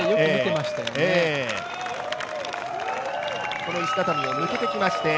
この石畳を抜けてきました、